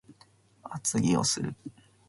厚着をする